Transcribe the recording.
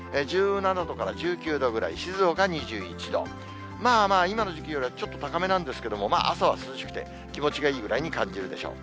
１７度から１９度ぐらい、静岡２１度、まあまあ、今の時期よりはちょっと高めなんですけれども、朝は涼しくて、気持ちがいいぐらいに感じるでしょう。